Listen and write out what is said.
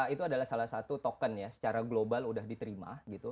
itu adalah salah satu token ya secara global udah diterima gitu